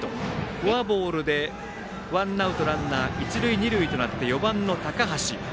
フォアボールでワンアウトランナー、一塁二塁となって４番の高橋。